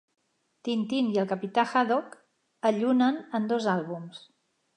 Tintin i el capità Haddock allunen en dos àlbums.